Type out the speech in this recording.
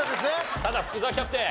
ただ福澤キャプテン